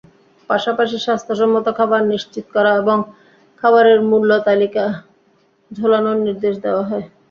পাশাপাশি স্বাস্থ্যসম্মত খাবার নিশ্চিত করা এবং খাবারের মূল্যতালিকা ঝোলানোর নির্দেশ দেওয়া হয়।